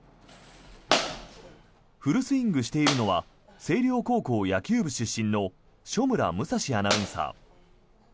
フルスイングしているのは星稜高校野球部出身の所村武蔵アナウンサー。